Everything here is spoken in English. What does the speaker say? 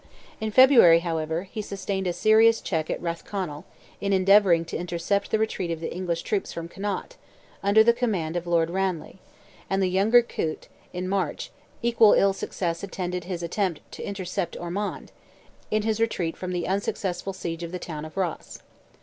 In February, however, he sustained a serious check at Rathconnell, in endeavouring to intercept the retreat of the English troops from Connaught, under the command of Lord Ranelagh, and the younger Coote; and in March, equal ill success attended his attempt to intercept Ormond, in his retreat from the unsuccessful siege of the town of Ross.